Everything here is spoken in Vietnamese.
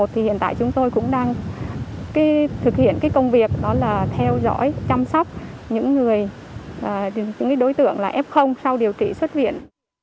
thì hiện tại chúng tôi cũng đang thực hiện công việc theo dõi chăm sóc những đối tượng f sau điều trị xuất viện